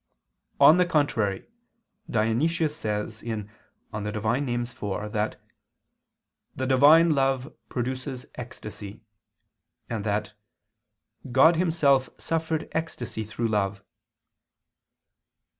On the contrary, Dionysius says (Div. Nom. iv) that "the Divine love produces ecstasy," and that "God Himself suffered ecstasy through love."